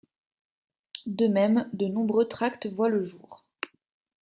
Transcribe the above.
De même, de nombreux tracts voient le jour.